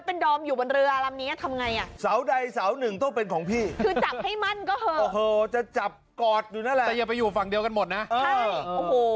โอ้โหจะจับกอดอยู่นั่นแหละแต่อย่าไปอยู่ฝั่งเดียวกันหมดนะโอ้โห